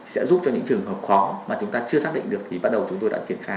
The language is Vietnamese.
sẽ giúp cho những trường hợp khó mà chúng ta chưa xác định được thì bắt đầu chúng tôi đã triển khai